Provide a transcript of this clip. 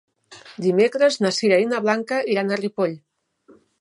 Dimecres na Sira i na Blanca iran a Ripoll.